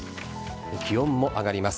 気温も上がります。